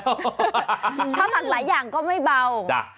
ถ้าสั่งหลายอย่างก็ไม่เบา